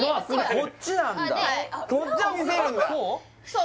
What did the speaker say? こっちなんだこう？